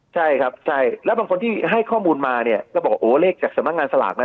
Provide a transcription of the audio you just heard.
ใช่ครับใช่แล้วบางคนที่ให้ข้อมูลมาเนี่ยก็บอกโอ้เลขจากสำนักงานสลากนะ